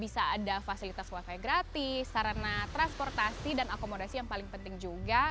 bisa ada fasilitas wifi gratis sarana transportasi dan akomodasi yang paling penting juga